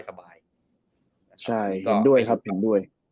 สบายใช่เห็นด้วยครับเห็นด้วย